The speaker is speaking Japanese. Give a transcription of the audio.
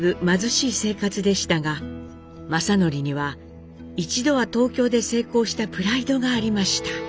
貧しい生活でしたが正徳には一度は東京で成功したプライドがありました。